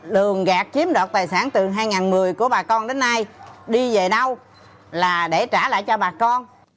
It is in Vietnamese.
đường gạt chiếm đoạt tài sản từ hai nghìn một mươi của bà con đến nay đi về đâu là để trả lại cho bà con